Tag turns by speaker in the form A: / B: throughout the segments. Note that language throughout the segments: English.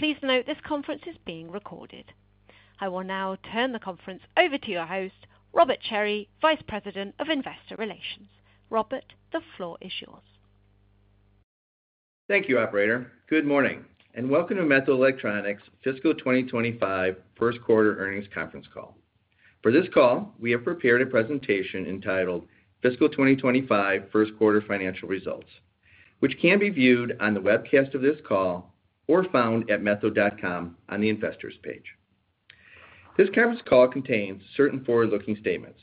A: Please note this conference is being recorded. I will now turn the conference over to your host, Robert Cherry, Vice President of Investor Relations. Robert, the floor is yours.
B: Thank you, operator. Good morning, and welcome to Methode Electronics' Fiscal 2025 first quarter earnings conference call. For this call, we have prepared a presentation entitled Fiscal 2025 first quarter financial results, which can be viewed on the webcast of this call or found at methode.com on the Investors page. This conference call contains certain forward-looking statements,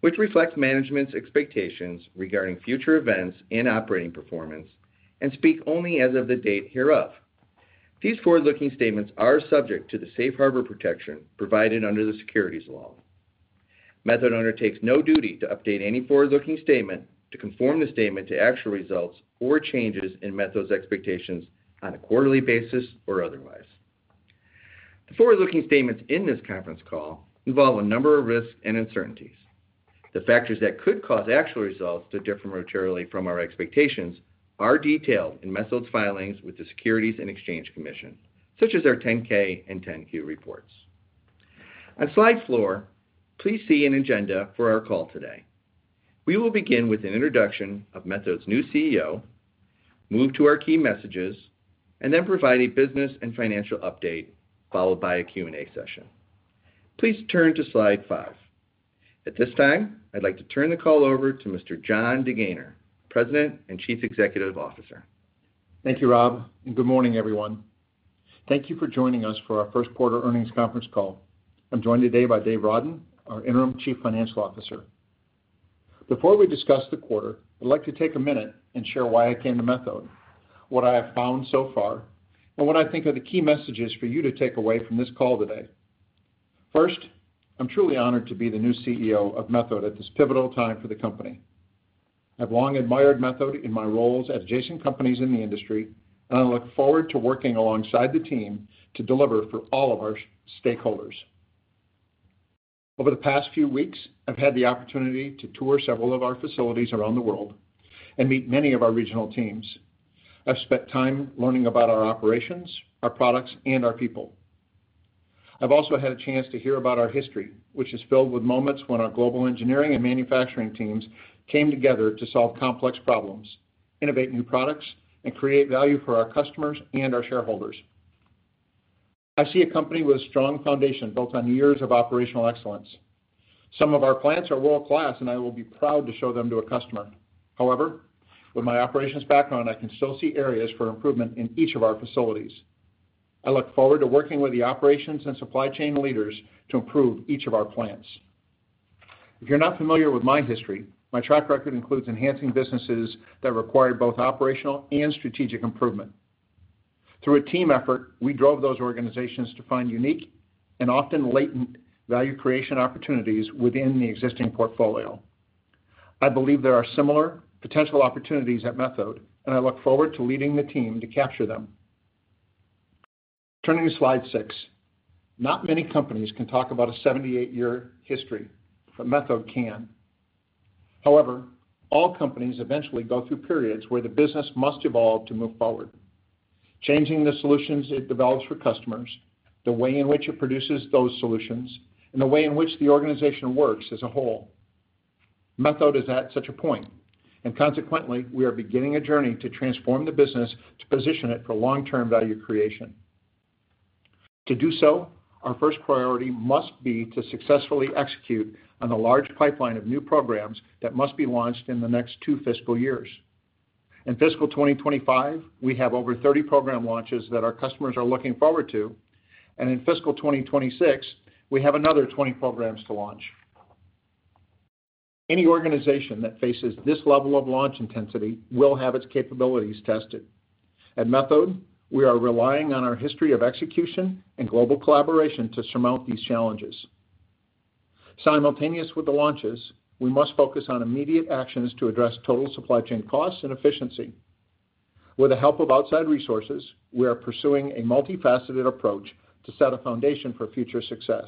B: which reflect management's expectations regarding future events and operating performance and speak only as of the date hereof. These forward-looking statements are subject to the safe harbor protection provided under the securities law. Methode undertakes no duty to update any forward-looking statement to conform the statement to actual results or changes in Methode's expectations on a quarterly basis or otherwise. The forward-looking statements in this conference call involve a number of risks and uncertainties. The factors that could cause actual results to differ materially from our expectations are detailed in Methode's filings with the Securities and Exchange Commission, such as our 10-K and 10-Q reports. On slide four, please see an agenda for our call today. We will begin with an introduction of Methode's new CEO, move to our key messages, and then provide a business and financial update, followed by a Q&A session. Please turn to slide five. At this time, I'd like to turn the call over to Mr. Jon DeGaynor, President and Chief Executive Officer.
C: Thank you, Rob, and good morning, everyone. Thank you for joining us for our first quarter earnings conference call. I'm joined today by David Rawden, our Interim Chief Financial Officer. Before we discuss the quarter, I'd like to take a minute and share why I came to Methode, what I have found so far, and what I think are the key messages for you to take away from this call today. First, I'm truly honored to be the new CEO of Methode at this pivotal time for the company. I've long admired Methode in my roles at adjacent companies in the industry, and I look forward to working alongside the team to deliver for all of our stakeholders. Over the past few weeks, I've had the opportunity to tour several of our facilities around the world and meet many of our regional teams. I've spent time learning about our operations, our products, and our people. I've also had a chance to hear about our history, which is filled with moments when our global engineering and manufacturing teams came together to solve complex problems, innovate new products, and create value for our customers and our shareholders. I see a company with a strong foundation built on years of operational excellence. Some of our plants are world-class, and I will be proud to show them to a customer. However, with my operations background, I can still see areas for improvement in each of our facilities. I look forward to working with the operations and supply chain leaders to improve each of our plants. If you're not familiar with my history, my track record includes enhancing businesses that require both operational and strategic improvement. Through a team effort, we drove those organizations to find unique and often latent value creation opportunities within the existing portfolio. I believe there are similar potential opportunities at Methode, and I look forward to leading the team to capture them. Turning to slide six. Not many companies can talk about a 78-year history, but Methode can. However, all companies eventually go through periods where the business must evolve to move forward, changing the solutions it develops for customers, the way in which it produces those solutions, and the way in which the organization works as a whole. Methode is at such a point, and consequently, we are beginning a journey to transform the business to position it for long-term value creation. To do so, our first priority must be to successfully execute on the large pipeline of new programs that must be launched in the next two fiscal years. In fiscal 2025, we have over 30 program launches that our customers are looking forward to, and in fiscal 2026, we have another 20 programs to launch. Any organization that faces this level of launch intensity will have its capabilities tested. At Methode, we are relying on our history of execution and global collaboration to surmount these challenges. Simultaneous with the launches, we must focus on immediate actions to address total supply chain costs and efficiency. With the help of outside resources, we are pursuing a multifaceted approach to set a foundation for future success.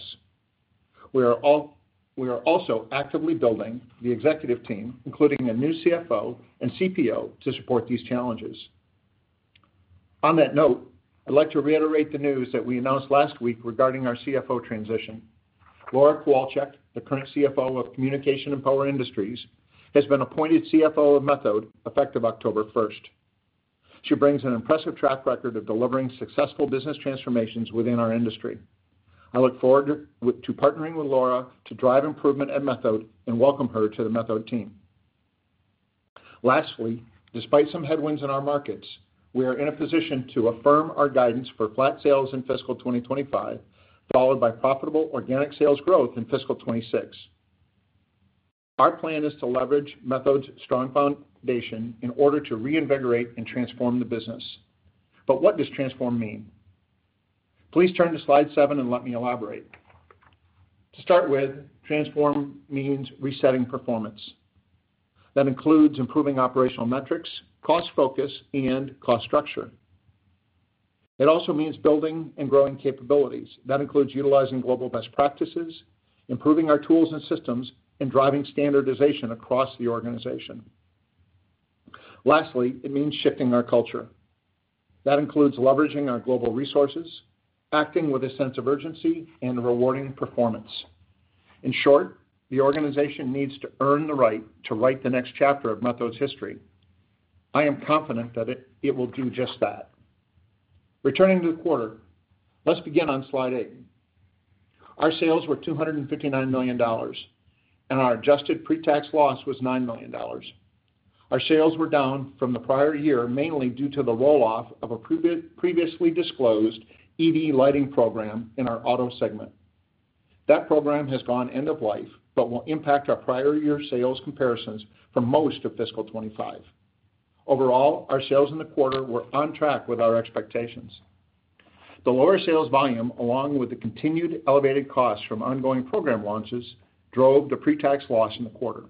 C: We are also actively building the executive team, including a new CFO and CPO, to support these challenges. On that note, I'd like to reiterate the news that we announced last week regarding our CFO transition. Laura Kowalczyk, the current CFO of Communications and Power Industries, has been appointed CFO of Methode, effective October first. She brings an impressive track record of delivering successful business transformations within our industry. I look forward to partnering with Laura to drive improvement at Methode and welcome her to the Methode team. Lastly, despite some headwinds in our markets, we are in a position to affirm our guidance for flat sales in fiscal 2025, followed by profitable organic sales growth in fiscal 2026. Our plan is to leverage Methode's strong foundation in order to reinvigorate and transform the business. But what does transform mean? Please turn to slide seven, and let me elaborate. To start with, transform means resetting performance. That includes improving operational metrics, cost focus, and cost structure. It also means building and growing capabilities. That includes utilizing global best practices, improving our tools and systems, and driving standardization across the organization. Lastly, it means shifting our culture. That includes leveraging our global resources, acting with a sense of urgency, and rewarding performance. In short, the organization needs to earn the right to write the next chapter of Methode's history. I am confident that it will do just that. Returning to the quarter, let's begin on slide eight. Our sales were $259 million, and our adjusted pre-tax loss was $9 million. Our sales were down from the prior year, mainly due to the roll-off of a previously disclosed EV lighting program in our auto segment. That program has gone end of life, but will impact our prior year sales comparisons for most of fiscal 2025. Overall, our sales in the quarter were on track with our expectations. The lower sales volume, along with the continued elevated costs from ongoing program launches, drove the pre-tax loss in the quarter.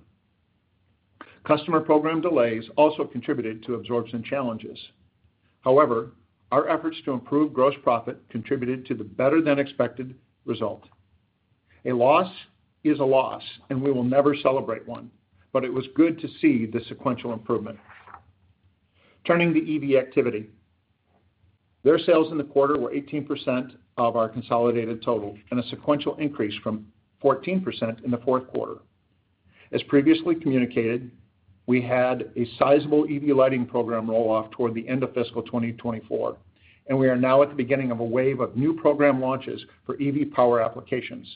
C: Customer program delays also contributed to absorption challenges. However, our efforts to improve gross profit contributed to the better-than-expected result. A loss is a loss, and we will never celebrate one, but it was good to see the sequential improvement. Turning to the EV activity. Their sales in the quarter were 18% of our consolidated total, and a sequential increase from 14% in the fourth quarter. As previously communicated, we had a sizable EV lighting program roll-off toward the end of fiscal 2024, and we are now at the beginning of a wave of new program launches for EV power applications.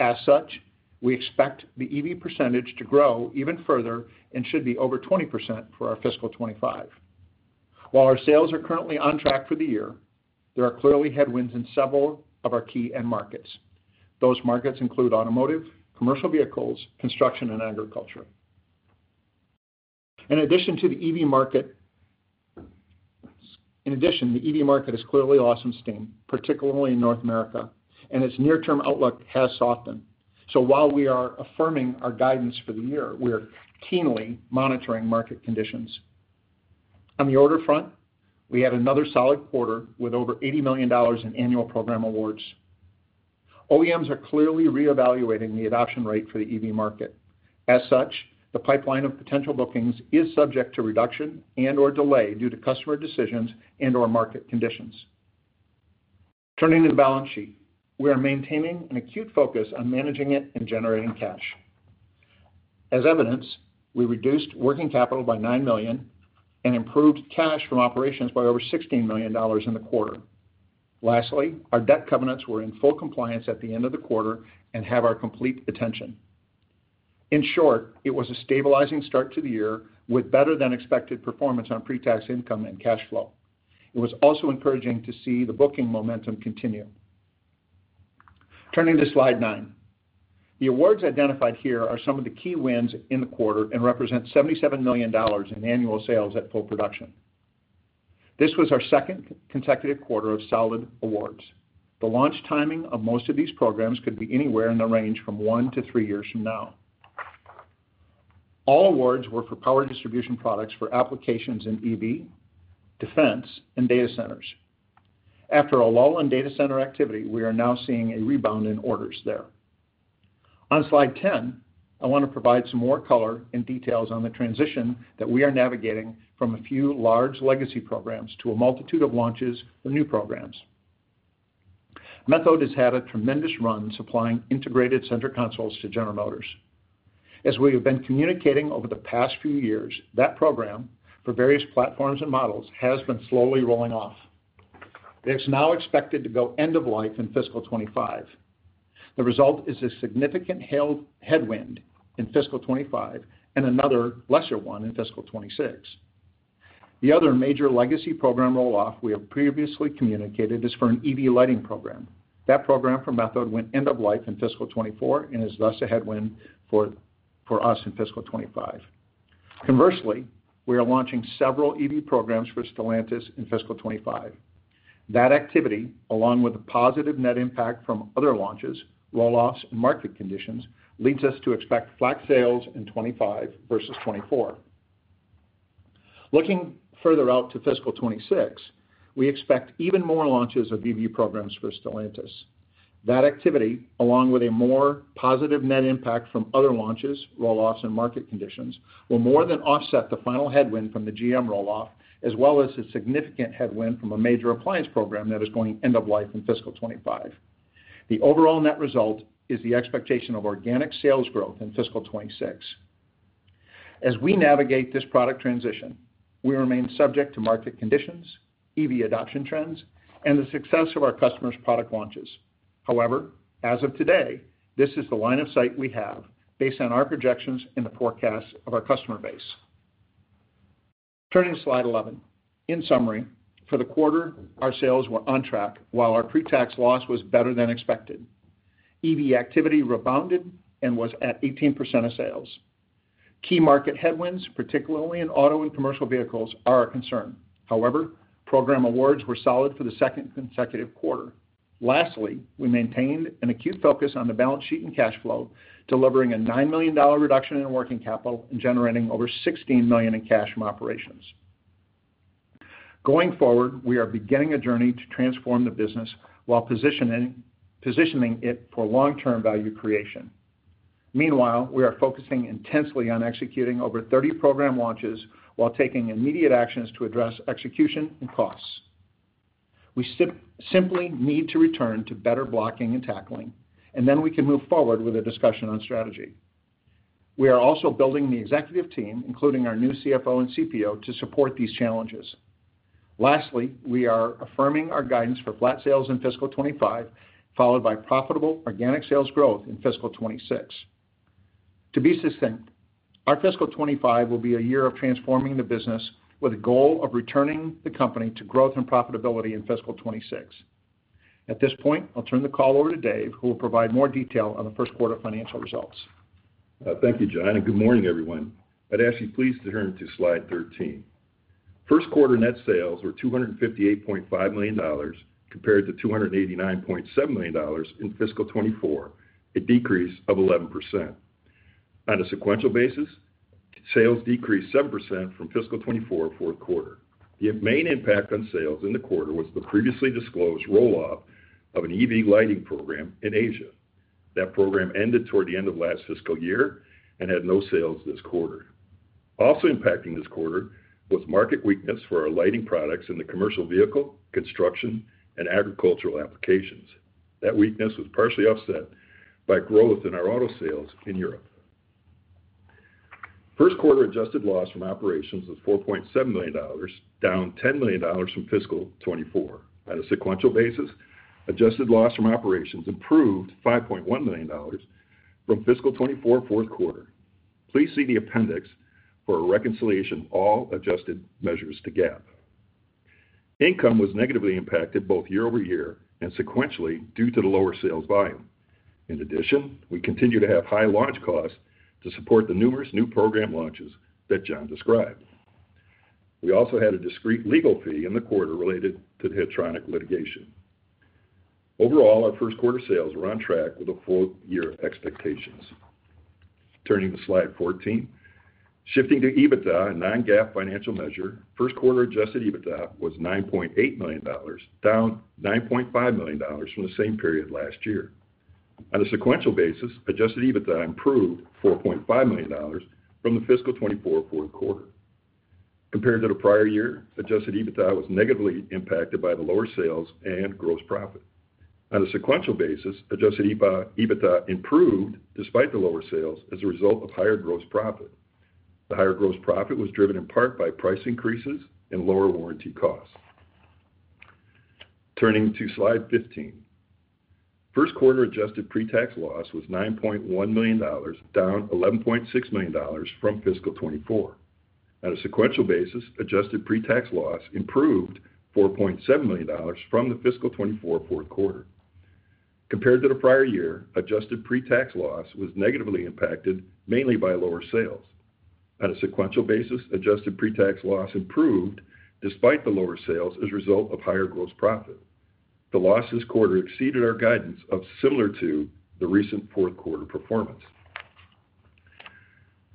C: As such, we expect the EV percentage to grow even further and should be over 20% for our fiscal 2025. While our sales are currently on track for the year, there are clearly headwinds in several of our key end markets. Those markets include automotive, commercial vehicles, construction, and agriculture. In addition, the EV market has clearly lost some steam, particularly in North America, and its near-term outlook has softened. So while we are affirming our guidance for the year, we are keenly monitoring market conditions. On the order front, we had another solid quarter with over $80 million in annual program awards. OEMs are clearly reevaluating the adoption rate for the EV market. As such, the pipeline of potential bookings is subject to reduction and/or delay due to customer decisions and/or market conditions. Turning to the balance sheet. We are maintaining an acute focus on managing it and generating cash. As evidenced, we reduced working capital by nine million and improved cash from operations by over $16 million in the quarter. Lastly, our debt covenants were in full compliance at the end of the quarter and have our complete attention. In short, it was a stabilizing start to the year with better-than-expected performance on pre-tax income and cash flow. It was also encouraging to see the booking momentum continue. Turning to slide 9. The awards identified here are some of the key wins in the quarter and represent $77 million in annual sales at full production. This was our second consecutive quarter of solid awards. The launch timing of most of these programs could be anywhere in the range from one to three years from now. All awards were for power distribution products for applications in EV, defense, and data centers. After a lull in data center activity, we are now seeing a rebound in orders there. On slide 10, I want to provide some more color and details on the transition that we are navigating from a few large legacy programs to a multitude of launches of new programs. Methode has had a tremendous run supplying integrated center consoles to General Motors. As we have been communicating over the past few years, that program, for various platforms and models, has been slowly rolling off. It's now expected to go end of life in fiscal 2025. The result is a significant headwind in fiscal 2025 and another lesser one in fiscal 2026. The other major legacy program roll-off we have previously communicated is for an EV lighting program. That program for Methode went end of life in fiscal 2024 and is thus a headwind for us in fiscal 2025. Conversely, we are launching several EV programs for Stellantis in fiscal 2025. That activity, along with a positive net impact from other launches, roll-offs, and market conditions, leads us to expect flat sales in 2025 versus 2024. Looking further out to fiscal 2026, we expect even more launches of EV programs for Stellantis. That activity, along with a more positive net impact from other launches, roll-offs, and market conditions, will more than offset the final headwind from the GM roll-off, as well as a significant headwind from a major appliance program that is going end of life in fiscal 2025. The overall net result is the expectation of organic sales growth in fiscal 2026. As we navigate this product transition, we remain subject to market conditions, EV adoption trends, and the success of our customers' product launches. However, as of today, this is the line of sight we have based on our projections and the forecasts of our customer base. Turning to slide eleven. In summary, for the quarter, our sales were on track, while our pre-tax loss was better than expected. EV activity rebounded and was at 18% of sales. Key market headwinds, particularly in auto and commercial vehicles, are a concern. However, program awards were solid for the second consecutive quarter. Lastly, we maintained an acute focus on the balance sheet and cash flow, delivering a $9 million reduction in working capital and generating over $16 million in cash from operations. Going forward, we are beginning a journey to transform the business while positioning it for long-term value creation. Meanwhile, we are focusing intensely on executing over 30 program launches while taking immediate actions to address execution and costs. We simply need to return to better blocking and tackling, and then we can move forward with a discussion on strategy. We are also building the executive team, including our new CFO and CPO, to support these challenges. Lastly, we are affirming our guidance for flat sales in fiscal 2025, followed by profitable organic sales growth in fiscal 2026. To be succinct, our fiscal 2025 will be a year of transforming the business with a goal of returning the company to growth and profitability in fiscal 2026. At this point, I'll turn the call over to Dave, who will provide more detail on the first quarter financial results.
D: Thank you, Jon, and good morning, everyone. I'd ask you please to turn to slide 13. First quarter net sales were $258.5 million, compared to $289.7 million in fiscal 2024, a decrease of 11%. On a sequential basis, sales decreased 7% from fiscal 2024 fourth quarter. The main impact on sales in the quarter was the previously disclosed roll-off of an EV lighting program in Asia. That program ended toward the end of last fiscal year and had no sales this quarter. Also impacting this quarter was market weakness for our lighting products in the commercial vehicle, construction, and agricultural applications. That weakness was partially offset by growth in our auto sales in Europe. First quarter adjusted loss from operations was $4.7 million, down $10 million from fiscal 2024. On a sequential basis, adjusted loss from operations improved $5.1 million from fiscal 2024 fourth quarter. Please see the appendix for a reconciliation of all adjusted measures to GAAP. Income was negatively impacted both year-over-year and sequentially due to the lower sales volume. In addition, we continue to have high launch costs to support the numerous new program launches that Jon described. We also had a discrete legal fee in the quarter related to the Hetronic litigation. Overall, our first quarter sales were on track with the full year expectations. Turning to slide 14. Shifting to EBITDA, a non-GAAP financial measure, first quarter adjusted EBITDA was $9.8 million, down $9.5 million from the same period last year. On a sequential basis, adjusted EBITDA improved $4.5 million from the fiscal 2024 fourth quarter. Compared to the prior year, adjusted EBITDA was negatively impacted by the lower sales and gross profit. On a sequential basis, adjusted EBITDA improved despite the lower sales as a result of higher gross profit. The higher gross profit was driven in part by price increases and lower warranty costs. Turning to slide 15. First quarter adjusted pre-tax loss was $9.1 million, down $11.6 million from fiscal 2024. On a sequential basis, adjusted pre-tax loss improved $4.7 million from the fiscal 2024 fourth quarter. Compared to the prior year, adjusted pre-tax loss was negatively impacted, mainly by lower sales. On a sequential basis, adjusted pre-tax loss improved despite the lower sales as a result of higher gross profit. The loss this quarter exceeded our guidance of similar to the recent fourth quarter performance.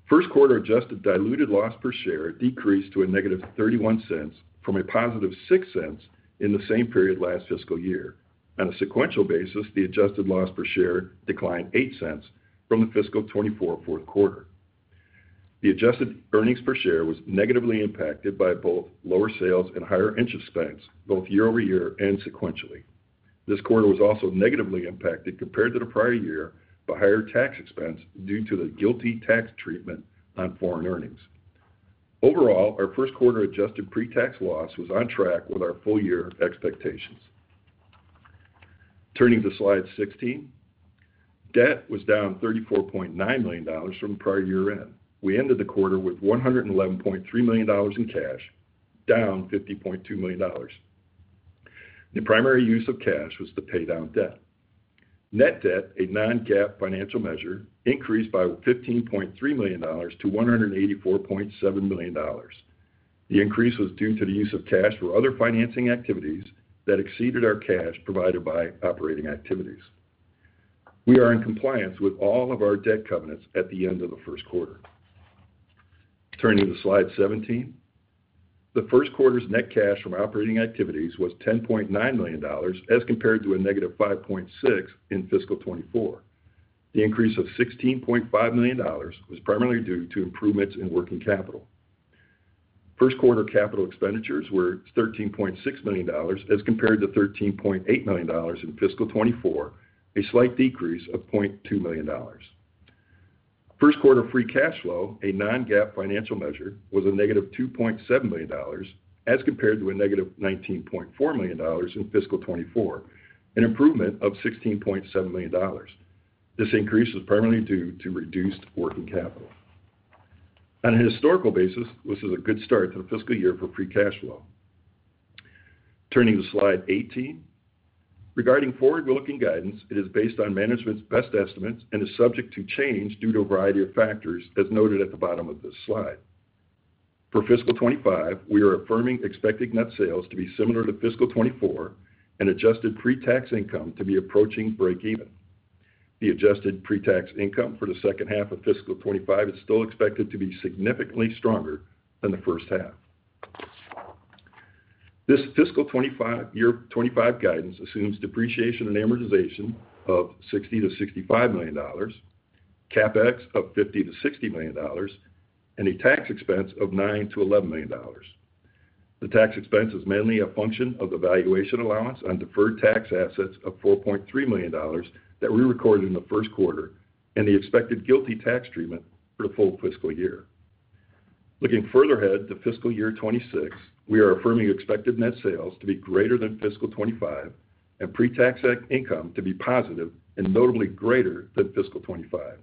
D: First quarter adjusted diluted loss per share decreased to -$0.31 from $0.06 in the same period last fiscal year. On a sequential basis, the adjusted loss per share declined $0.08 from the fiscal 2024 fourth quarter. The adjusted earnings per share was negatively impacted by both lower sales and higher interest expense, both year-over-year and sequentially. This quarter was also negatively impacted compared to the prior year by higher tax expense due to the GILTI tax treatment on foreign earnings. Overall, our first quarter adjusted pre-tax loss was on track with our full year expectations. Turning to slide 16, debt was down $34.9 million from the prior year end. We ended the quarter with $111.3 million in cash, down $50.2 million. The primary use of cash was to pay down debt. Net debt, a non-GAAP financial measure, increased by $15.3 million to $184.7 million. The increase was due to the use of cash for other financing activities that exceeded our cash provided by operating activities. We are in compliance with all of our debt covenants at the end of the first quarter. Turning to slide 17. The first quarter's net cash from operating activities was $10.9 million, as compared to a negative $5.6 million in fiscal 2024. The increase of $16.5 million was primarily due to improvements in working capital. First quarter capital expenditures were $13.6 million, as compared to $13.8 million in fiscal 2024, a slight decrease of $0.2 million. First quarter free cash flow, a non-GAAP financial measure, was -$2.7 million, as compared to -$19.4 million in fiscal 2024, an improvement of $16.7 million. This increase was primarily due to reduced working capital. On a historical basis, this is a good start to the fiscal year for free cash flow. Turning to slide 18. Regarding forward-looking guidance, it is based on management's best estimates and is subject to change due to a variety of factors, as noted at the bottom of this slide. For fiscal 2025, we are affirming expected net sales to be similar to fiscal 2024 and adjusted pre-tax income to be approaching breakeven.... the adjusted pre-tax income for the second half of fiscal 2025 is still expected to be significantly stronger than the first half. This fiscal 2025 year 2025 guidance assumes depreciation and amortization of $60-$65 million, CapEx of $50-$60 million, and a tax expense of $9-$11 million. The tax expense is mainly a function of the valuation allowance on deferred tax assets of $4.3 million that we recorded in the first quarter, and the expected GILTI tax treatment for the full fiscal year. Looking further ahead to fiscal year 2026, we are affirming expected net sales to be greater than fiscal 2025, and pre-tax income to be positive and notably greater than fiscal 2025.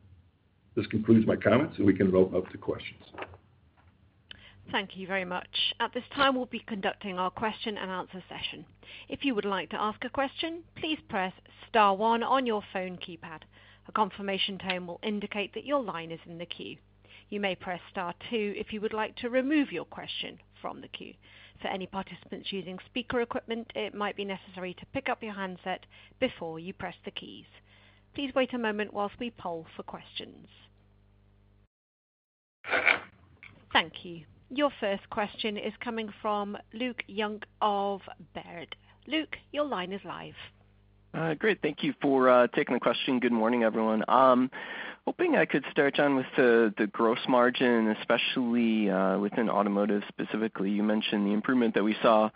D: This concludes my comments, and we can open up to questions.
A: Thank you very much. At this time, we'll be conducting our question and answer session. If you would like to ask a question, please press star one on your phone keypad. A confirmation tone will indicate that your line is in the queue. You may press star two if you would like to remove your question from the queue. For any participants using speaker equipment, it might be necessary to pick up your handset before you press the keys. Please wait a moment while we poll for questions. Thank you. Your first question is coming from Luke Junk of Baird. Luke, your line is live.
E: Great. Thank you for taking the question. Good morning, everyone. Hoping I could start, Jon, with the gross margin, especially, within automotive specifically. You mentioned the improvement that we saw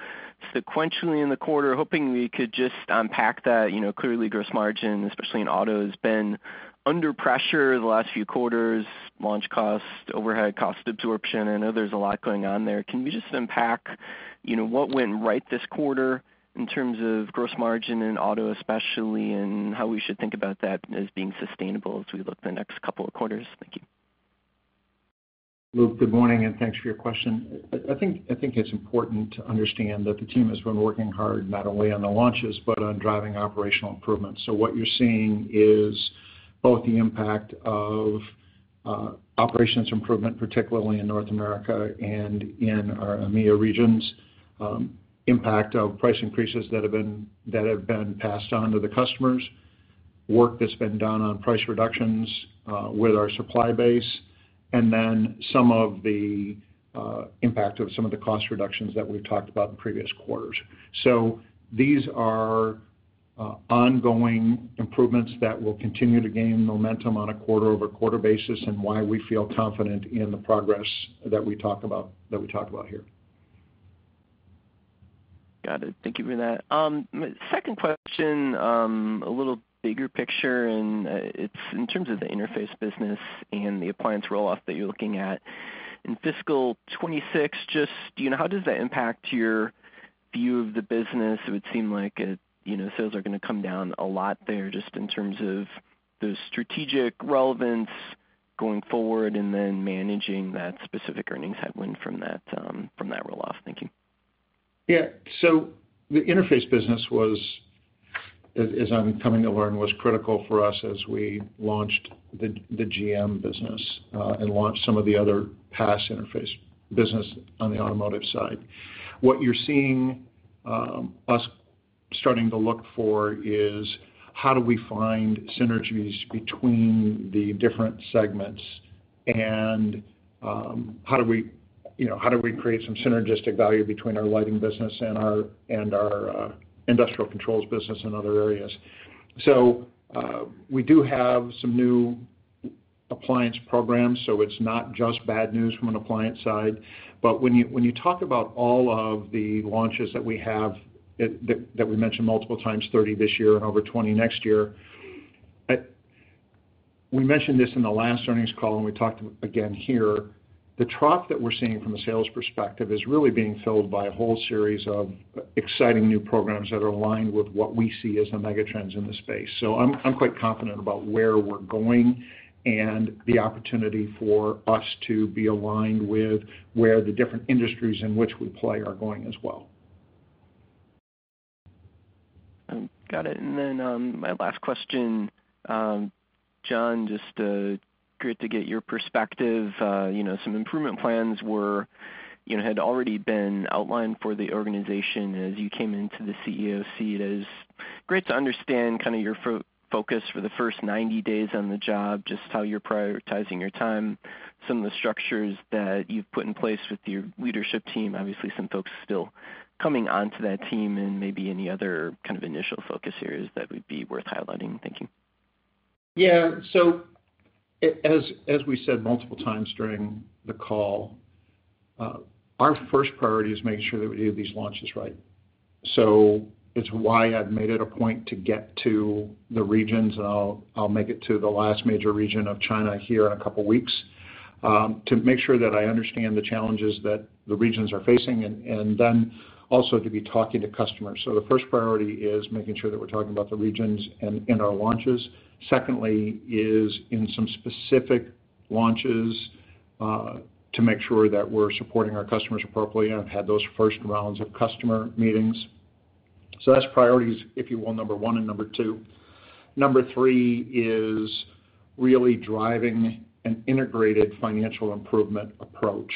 E: sequentially in the quarter. Hoping we could just unpack that. You know, clearly gross margin, especially in auto, has been under pressure the last few quarters, launch cost, overhead cost, absorption. I know there's a lot going on there. Can you just unpack, you know, what went right this quarter in terms of gross margin in auto, especially, and how we should think about that as being sustainable as we look the next couple of quarters? Thank you.
C: Luke, good morning, and thanks for your question. I think it's important to understand that the team has been working hard, not only on the launches, but on driving operational improvements. What you're seeing is both the impact of operations improvement, particularly in North America and in our EMEA regions, impact of price increases that have been passed on to the customers, work that's been done on price reductions with our supply base, and then some of the impact of some of the cost reductions that we've talked about in previous quarters. These are ongoing improvements that will continue to gain momentum on a quarter-over-quarter basis, and why we feel confident in the progress that we talk about here.
E: Got it. Thank you for that. My second question, a little bigger picture, and it's in terms of the interface business and the appliance roll-off that you're looking at. In fiscal 2026, just, you know, how does that impact your view of the business? It would seem like it... You know, sales are gonna come down a lot there, just in terms of the strategic relevance going forward, and then managing that specific earnings headwind from that, from that roll-off. Thank you.
C: Yeah. So the interface business was, as I'm coming to learn, was critical for us as we launched the GM business and launched some of the other past interface business on the automotive side. What you're seeing us starting to look for is, how do we find synergies between the different segments? And how do we, you know, how do we create some synergistic value between our lighting business and our industrial controls business in other areas? So we do have some new appliance programs, so it's not just bad news from an appliance side. But when you talk about all of the launches that we have, that we mentioned multiple times, 30 this year and over 20 next year. We mentioned this in the last earnings call, and we talked again here. The trough that we're seeing from a sales perspective is really being filled by a whole series of exciting new programs that are aligned with what we see as the mega trends in the space. So I'm quite confident about where we're going and the opportunity for us to be aligned with where the different industries in which we play are going as well.
E: Got it. And then, my last question, Jon, just great to get your perspective. You know, some improvement plans had already been outlined for the organization as you came into the CEO seat. It is great to understand kind of your focus for the first 90 days on the job, just how you're prioritizing your time, some of the structures that you've put in place with your leadership team. Obviously, some folks still coming onto that team, and maybe any other kind of initial focus areas that would be worth highlighting. Thank you.
C: Yeah. So as, as we said multiple times during the call, our first priority is making sure that we do these launches right. So it's why I've made it a point to get to the regions, and I'll make it to the last major region of China here in a couple weeks, to make sure that I understand the challenges that the regions are facing, and then also to be talking to customers. So the first priority is making sure that we're talking about the regions and our launches. Secondly is in some specific launches, to make sure that we're supporting our customers appropriately, and I've had those first rounds of customer meetings. So that's priorities, if you will, number one and number two. Number three is really driving an integrated financial improvement approach....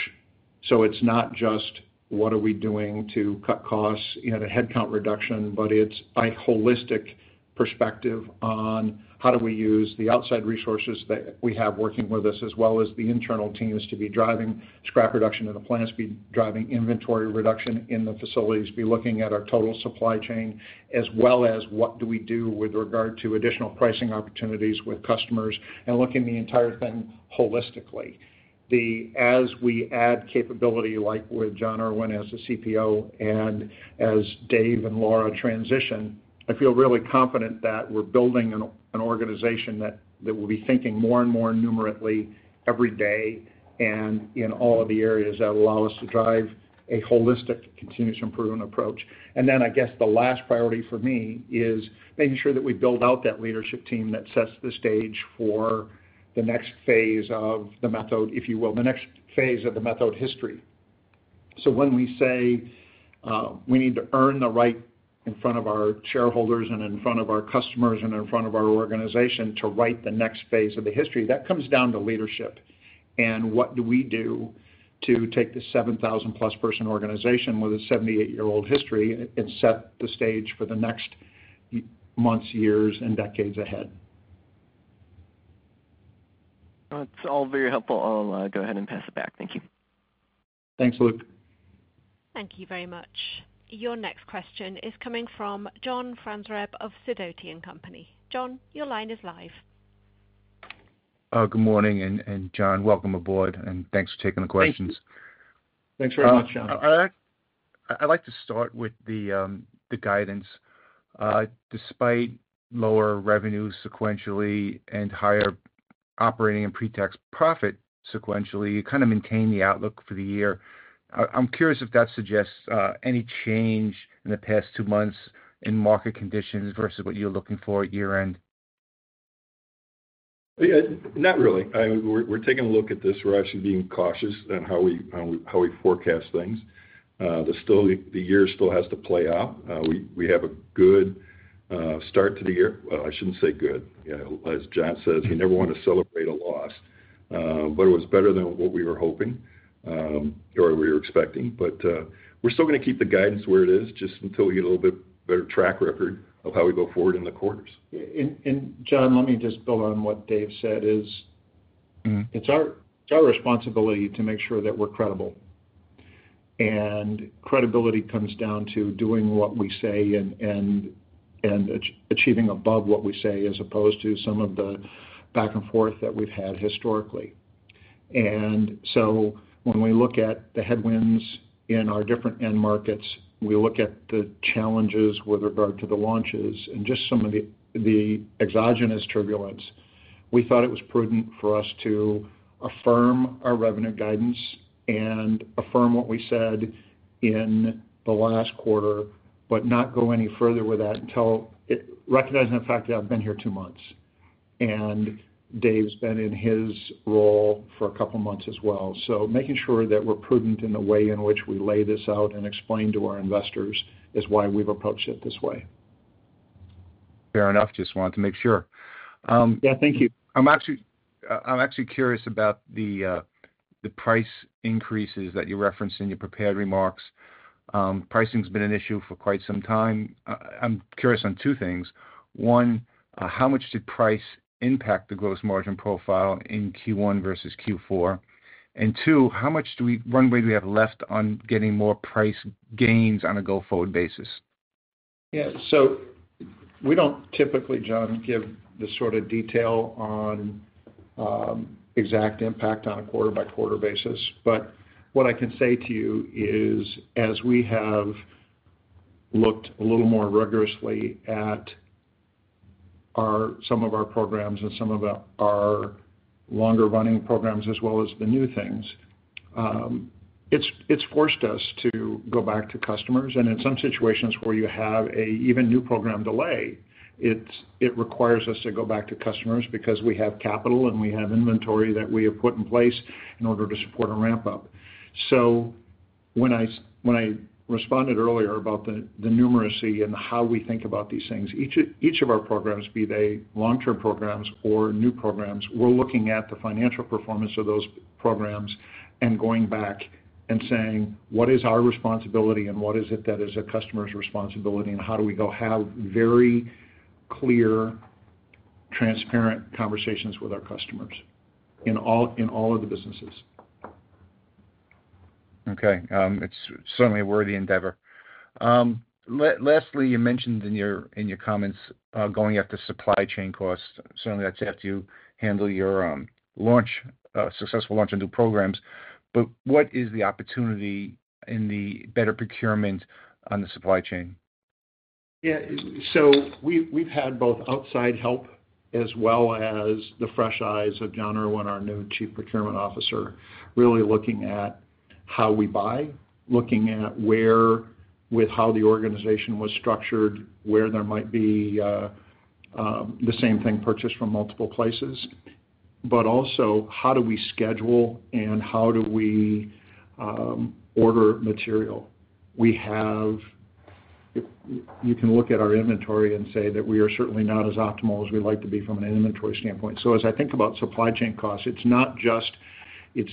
C: It's not just what are we doing to cut costs, you know, the headcount reduction, but it's a holistic perspective on how do we use the outside resources that we have working with us, as well as the internal teams, to be driving scrap reduction in the plants, be driving inventory reduction in the facilities, be looking at our total supply chain, as well as what do we do with regard to additional pricing opportunities with customers and looking the entire thing holistically. As we add capability, like with John Erwin as the CPO and as David and Laura transition, I feel really confident that we're building an organization that will be thinking more and more numerically every day and in all of the areas that allow us to drive a holistic, continuous improvement approach. And then I guess the last priority for me is making sure that we build out that leadership team that sets the stage for the next phase of the Methode, if you will, the next phase of the Methode history. So when we say, we need to earn the right in front of our shareholders and in front of our customers and in front of our organization to write the next phase of the history, that comes down to leadership, and what do we do to take this 7,000+ person organization with a 78 year old history and set the stage for the next months, years, and decades ahead?
E: It's all very helpful. I'll go ahead and pass it back. Thank you.
C: Thanks, Luke.
A: Thank you very much. Your next question is coming from John Franzreb of Sidoti & Company. John, your line is live.
F: Good morning, and Jon, welcome aboard, and thanks for taking the questions.
C: Thank you. Thanks very much, John.
F: I'd like to start with the guidance. Despite lower revenue sequentially and higher operating pre-tax profit sequentially, maintain the outlook for the year. I'm curious if that suggests any change in the past two months in market conditions versus what you're looking for at year-end?
D: Yeah, not really. I mean, we're taking a look at this. We're actually being cautious on how we forecast things. There's still... The year still has to play out. We have a good start to the year. Well, I shouldn't say good. You know, as Jon says, you never want to celebrate a loss. But it was better than what we were hoping, or we were expecting. But we're still gonna keep the guidance where it is, just until we get a little bit better track record of how we go forward in the quarters.
C: And John, let me just build on what David said is-
F: Mm-hmm....
C: It's our responsibility to make sure that we're credible. And credibility comes down to doing what we say and achieving above what we say, as opposed to some of the back and forth that we've had historically. And so when we look at the headwinds in our different end markets, we look at the challenges with regard to the launches and just some of the exogenous turbulence, we thought it was prudent for us to affirm our revenue guidance and affirm what we said in the last quarter, but not go any further with that until it, recognizing the fact that I've been here two months, and David's been in his role for a couple of months as well. Making sure that we're prudent in the way in which we lay this out and explain to our investors is why we've approached it this way.
F: Fair enough. Just wanted to make sure.
C: Yeah, thank you.
F: I'm actually, I'm actually curious about the price increases that you referenced in your prepared remarks. Pricing's been an issue for quite some time. I'm curious on two things. One, how much did price impact the gross margin profile in Q1 versus Q4? And two, how much runway do we have left on getting more price gains on a go-forward basis?
C: Yeah. So we don't typically, John, give the sort of detail on exact impact on a quarter-by-quarter basis. But what I can say to you is, as we have looked a little more rigorously at some of our programs and some of our longer-running programs, as well as the new things, it's forced us to go back to customers, and in some situations where you have an even new program delay, it requires us to go back to customers because we have capital, and we have inventory that we have put in place in order to support a ramp-up. So when I responded earlier about the numerics and how we think about these things, each of our programs, be they long-term programs or new programs, we're looking at the financial performance of those programs and going back and saying: What is our responsibility, and what is it that is a customer's responsibility, and how do we go have very clear, transparent conversations with our customers in all of the businesses?
F: Okay. It's certainly a worthy endeavor. Lastly, you mentioned in your comments going after supply chain costs. Certainly, that's after you handle your launch, successful launch and new programs. But what is the opportunity in the better procurement on the supply chain?
C: Yeah, so we've had both outside help as well as the fresh eyes of John Erwin, our new Chief Procurement Officer, really looking at how we buy, looking at where, with how the organization was structured, where there might be the same thing purchased from multiple places. But also, how do we schedule and how do we order material? We have. You can look at our inventory and say that we are certainly not as optimal as we'd like to be from an inventory standpoint. So as I think about supply chain costs, it's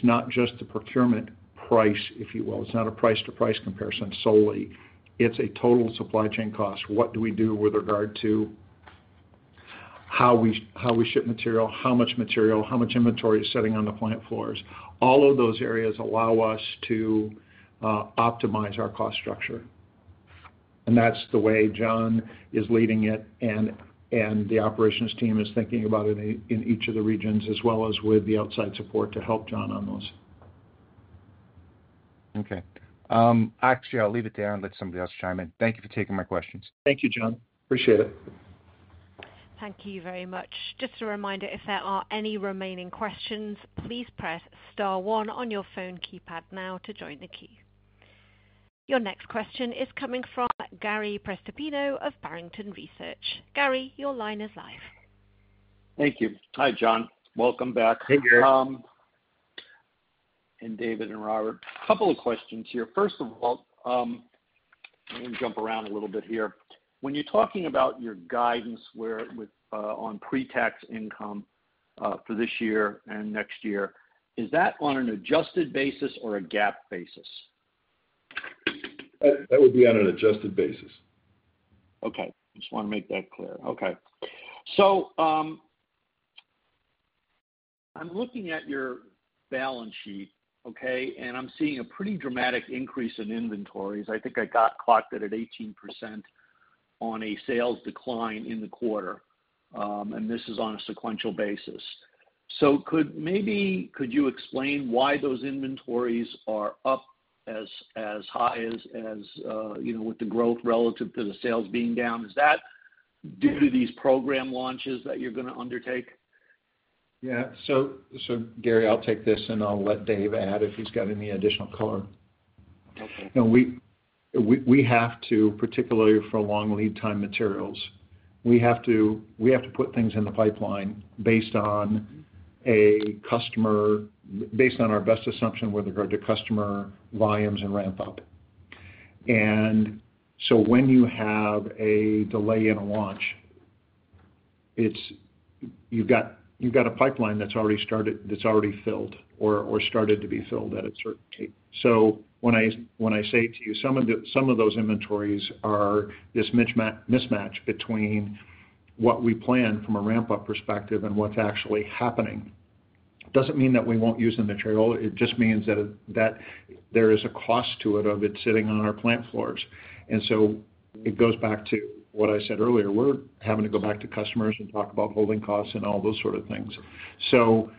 C: not just the procurement price, if you will. It's not a price-to-price comparison solely. It's a total supply chain cost. What do we do with regard to how we ship material, how much material, how much inventory is sitting on the plant floors? All of those areas allow us to optimize our cost structure. And that's the way John is leading it, and the operations team is thinking about it in each of the regions, as well as with the outside support to help John on those.
F: Okay. Actually, I'll leave it there and let somebody else chime in. Thank you for taking my questions.
C: Thank you, John. Appreciate it.
A: Thank you very much. Just a reminder, if there are any remaining questions, please press star one on your phone keypad now to join the queue. Your next question is coming from Gary Prestopino of Barrington Research. Gary, your line is live.
G: Thank you. Hi, Jon. Welcome back.
C: Hey, Gary.
G: David and Robert. Couple of questions here. First of all, let me jump around a little bit here. When you're talking about your guidance, where with, on pre-tax income, for this year and next year, is that on an adjusted basis or a GAAP basis?
C: That would be on an adjusted basis.
G: Okay. Just want to make that clear. Okay. So, I'm looking at your balance sheet, okay, and I'm seeing a pretty dramatic increase in inventories. I think I clocked it at 18% on a sales decline in the quarter, and this is on a sequential basis. So could you explain why those inventories are up as high as, you know, with the growth relative to the sales being down? Is that due to these program launches that you're gonna undertake?
C: Yeah. So, Gary, I'll take this, and I'll let David add if he's got any additional color.
G: Okay.
C: Now we have to, particularly for long lead time materials, put things in the pipeline based on a customer-based on our best assumption with regard to customer volumes and ramp up. And so when you have a delay in a launch, it's you've got a pipeline that's already started, that's already filled or started to be filled at a certain rate. So when I say to you, some of those inventories are this mismatch between what we plan from a ramp-up perspective and what's actually happening. Doesn't mean that we won't use the material, it just means that there is a cost to it, of it sitting on our plant floors. And so it goes back to what I said earlier, we're having to go back to customers and talk about holding costs and all those sort of things. So,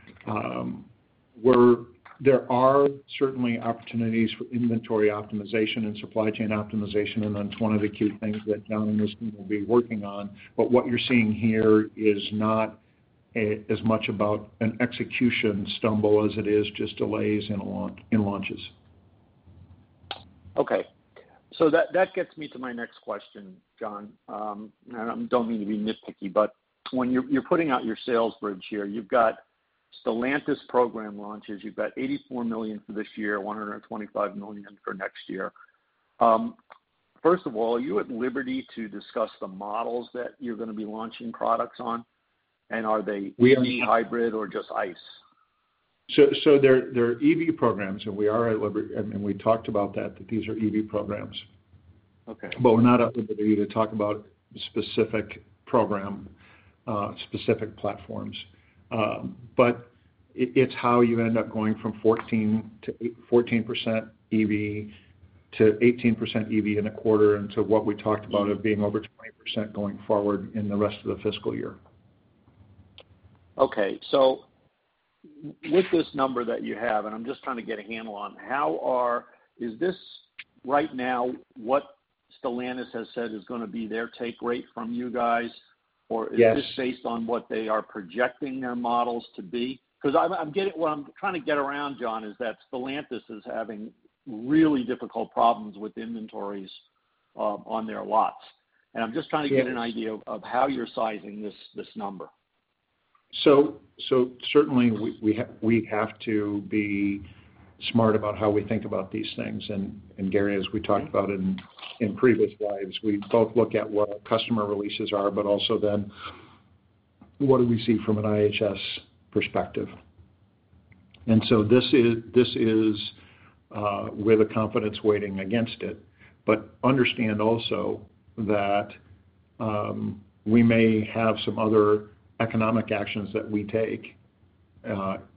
C: there are certainly opportunities for inventory optimization and supply chain optimization, and that's one of the key things that John and his team will be working on. But what you're seeing here is not as much about an execution stumble as it is just delays in launches.
G: Okay. So that gets me to my next question, Jon. And I don't mean to be nitpicky, but when you're putting out your sales bridge here, you've got Stellantis program launches. You've got $84 million for this year, $125 million for next year. First of all, are you at liberty to discuss the models that you're gonna be launching products on? And are they EV, hybrid or just ICE?
C: So they're EV programs, and we are at liberty, and we talked about that, that these are EV programs.
G: Okay.
C: But we're not at liberty to talk about specific program, specific platforms. But it's how you end up going from 14% EV to 18% EV in a quarter, and to what we talked about, it being over 20% going forward in the rest of the fiscal year.
G: Okay. So with this number that you have, and I'm just trying to get a handle on, how are... Is this right now what Stellantis has said is gonna be their take rate from you guys, or-
C: Yes...
G: is this based on what they are projecting their models to be? 'Cause I'm getting, what I'm trying to get around, Jon, is that Stellantis is having really difficult problems with inventories on their lots.
C: Yes.
G: I'm just trying to get an idea of how you're sizing this, this number.
C: So certainly we have to be smart about how we think about these things. And Gary, as we talked about in previous lives, we both look at what our customer releases are, but also then what do we see from an IHS perspective. And so this is with a confidence weighting against it. But understand also that we may have some other economic actions that we take,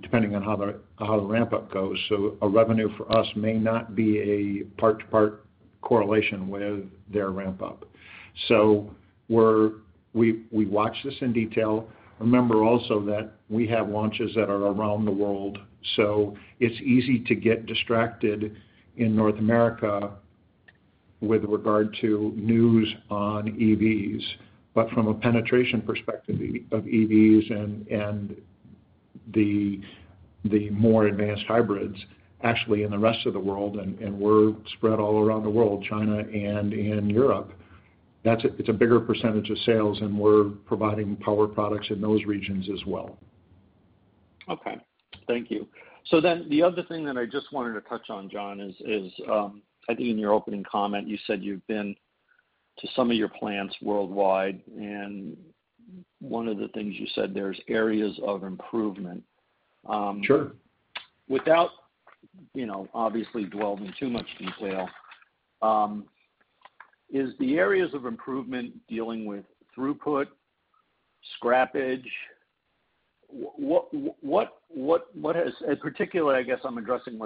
C: depending on how the ramp up goes. Revenue for us may not be a part-to-part correlation with their ramp up. So we watch this in detail. Remember also that we have launches that are around the world, so it's easy to get distracted in North America with regard to news on EVs. But from a penetration perspective, of EVs and the more advanced hybrids, actually in the rest of the world, and we're spread all around the world, China and in Europe, it's a bigger percentage of sales, and we're providing power products in those regions as well....
G: Okay, thank you. So then the other thing that I just wanted to touch on, Jon, is I think in your opening comment, you said you've been to some of your plants worldwide, and one of the things you said, there's areas of improvement.
C: Sure.
G: Without, you know, obviously dwelling in too much detail, is the areas of improvement dealing with throughput, scrappage? And particularly, I guess I'm addressing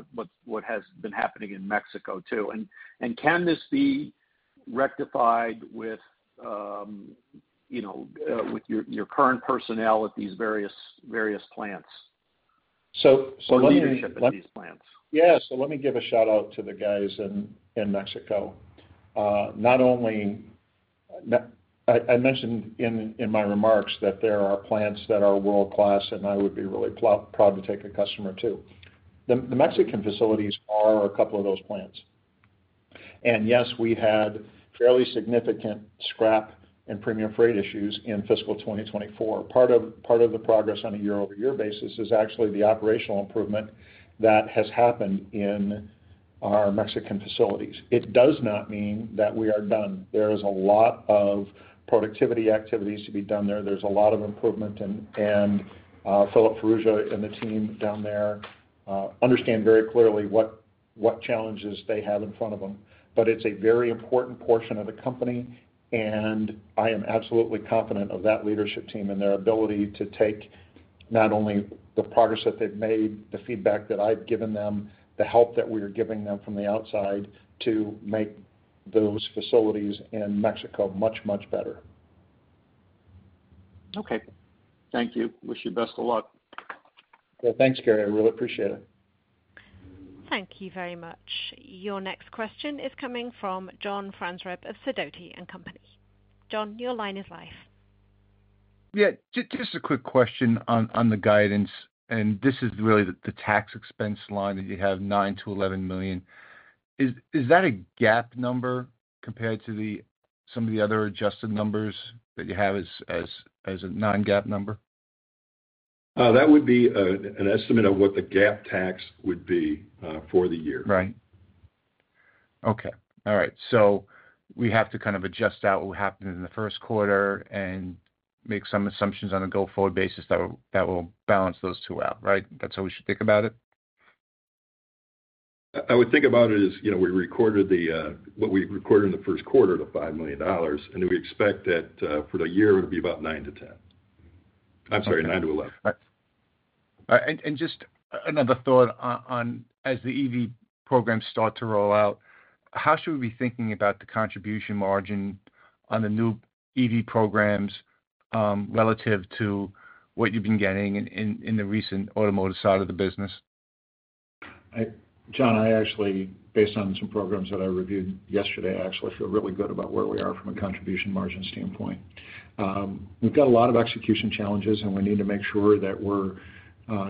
G: what has been happening in Mexico, too. And can this be rectified with, you know, with your current personnel at these various plants?
C: So let me-
G: Or leadership at these plants.
C: Yeah. So let me give a shout-out to the guys in Mexico. Not only I mentioned in my remarks that there are plants that are world-class, and I would be really proud to take a customer, too. The Mexican facilities are a couple of those plants. And yes, we had fairly significant scrap and premium freight issues in fiscal 2024. Part of the progress on a year-over-year basis is actually the operational improvement that has happened in our Mexican facilities. It does not mean that we are done. There is a lot of productivity activities to be done there. There's a lot of improvement, and Philip Farrugia and the team down there understand very clearly what challenges they have in front of them. It's a very important portion of the company, and I am absolutely confident of that leadership team and their ability to take not only the progress that they've made, the feedback that I've given them, the help that we are giving them from the outside to make those facilities in Mexico much, much better.
G: Okay. Thank you. Wish you best of luck.
C: Thanks, Gary. I really appreciate it.
A: Thank you very much. Your next question is coming from John Franzreb of Sidoti & Company. John, your line is live.
F: Yeah, just a quick question on the guidance, and this is really the tax expense line that you have, $9-$11 million. Is that a GAAP number compared to some of the other adjusted numbers that you have as a non-GAAP number?
C: That would be an estimate of what the GAAP tax would be for the year.
F: Right. Okay. All right. So we have to kind of adjust out what happened in the first quarter and make some assumptions on a go-forward basis that will, that will balance those two out, right? That's how we should think about it?
C: I would think about it as, you know, we recorded what we recorded in the first quarter, $5 million, and we expect that for the year, it would be about $9 million-$10 million. I'm sorry, $9 million-$11 million.
F: All right. And just another thought on as the EV programs start to roll out, how should we be thinking about the contribution margin on the new EV programs, relative to what you've been getting in the recent automotive side of the business?
C: John, I actually, based on some programs that I reviewed yesterday, I actually feel really good about where we are from a contribution margin standpoint. We've got a lot of execution challenges, and we need to make sure that we're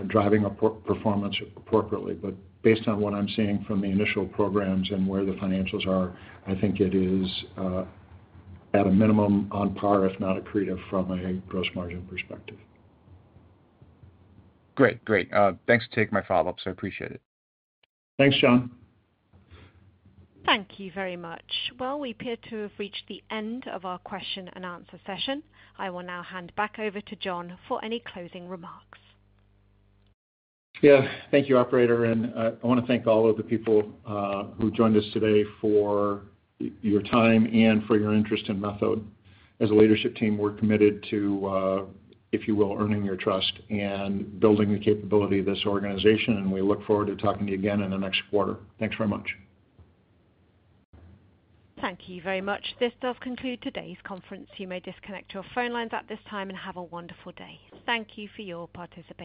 C: driving our per-performance appropriately. But based on what I'm seeing from the initial programs and where the financials are, I think it is at a minimum, on par, if not accretive, from a gross margin perspective.
F: Great. Great. Thanks for taking my follow-ups. I appreciate it.
C: Thanks, John.
A: Thank you very much. We appear to have reached the end of our question-and-answer session. I will now hand back over to Jon for any closing remarks.
C: Yeah. Thank you, operator, and I want to thank all of the people who joined us today for your time and for your interest in Methode. As a leadership team, we're committed to, if you will, earning your trust and building the capability of this organization, and we look forward to talking to you again in the next quarter. Thanks very much.
A: Thank you very much. This does conclude today's conference. You may disconnect your phone lines at this time and have a wonderful day. Thank you for your participation.